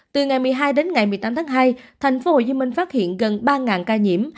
từ ngày một mươi hai đến ngày một mươi tám tháng hai tp hcm phát hiện gần ba ca nhiễm